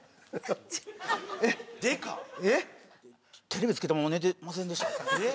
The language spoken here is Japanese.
テレビつけたまま寝てませんでしたか